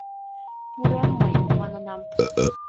Пурем мый», — манынам.